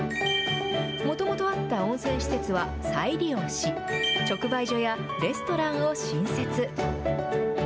もともとあった温泉施設は再利用し、直売所やレストランを新設。